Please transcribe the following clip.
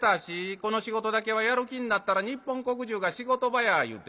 『この仕事だけはやる気になったら日本国じゅうが仕事場や』いうて」。